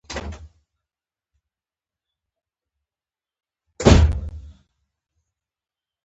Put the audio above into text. ایا هغه زما په کیس پوهیږي؟